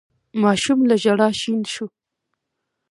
ماشوم له ژړا شين شو.